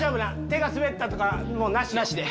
手が滑ったとかもうなしで。